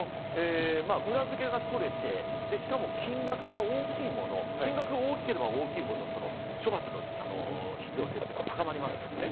裏付けが取れて、しかも金額が大きいもの、金額が大きければ大きいほど処罰の必要性は高まりますね。